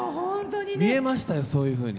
見えましたよ、そういうふうに。